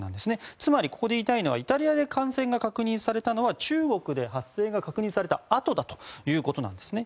つまり、ここで言いたいのはイタリアで感染が確認されたのは中国で発生が確認されたあとだということなんですね。